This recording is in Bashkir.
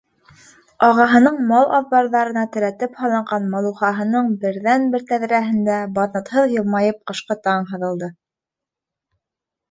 Ағаһының мал аҙбарҙарына терәтеп һалынған малухаһының берҙән-бер тәҙрәһендә баҙнатһыҙ йылмайып ҡышҡы таң һыҙылды.